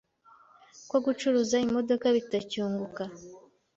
Ko gucuruza imodoka bitacyunguka